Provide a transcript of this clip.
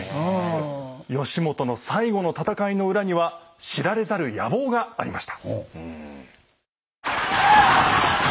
義元の最後の戦いの裏には知られざる野望がありました。